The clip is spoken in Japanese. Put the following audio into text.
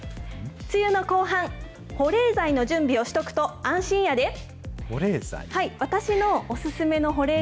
梅雨の後半、保冷剤の準備をしとくと安心やで。